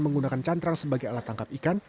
menggunakan cantrang sebagai alat tangkap ikan